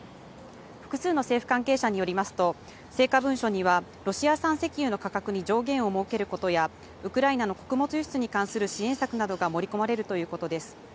複数の政府関係者によりますと、成果文書にはロシア産石油の価格に上限を設けることや、ウクライナの穀物輸出に関する支援策などが盛り込まれるということです。